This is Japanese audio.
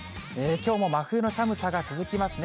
きょうも真冬の寒さが続きますね。